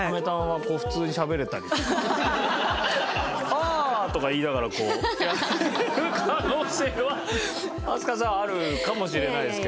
「ああ」とか言いながらこうやる可能性は飛鳥さんはあるかもしれないですけどね。